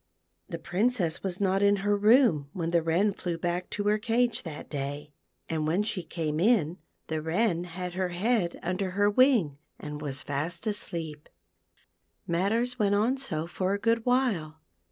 The Princess was not in her room when the Wren flew back to her cage that day, and when she came in the Wren had her head under her wing and was fast asleep. Matters went on so for a good while.